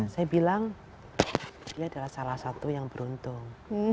saya bilang dia adalah salah satu yang beruntung